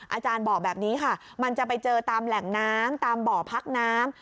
อาจารย์บอกแบบนี้ค่ะมันจะไปเจอตามแหล่งน้ำตามบ่อพักน้ำ